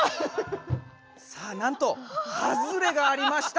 さあなんとハズレがありました。